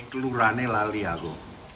ini keluranya lali aku